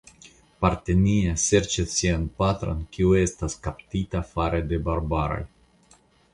Partenia serĉas sian patron kiu estas kaptita fare de barbaroj.